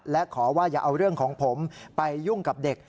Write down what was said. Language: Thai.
และขอว่าอย่าเอาเรื่องของผมไปยุ่งกับเด็ก